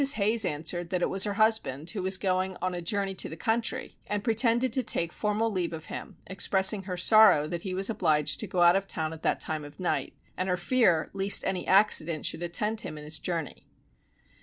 Hayes answered that it was her husband, who was going a journey into the country, and pretended to take a formal leave of him, expressing her sorrow that he was obliged to go out of town at that time of night, and her fear least any accident should attend him in his journey.